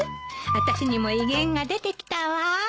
あたしにも威厳が出てきたわ。